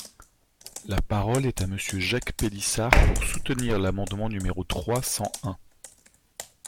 La parole est à Monsieur Jacques Pélissard, pour soutenir l’amendement numéro trois cent un.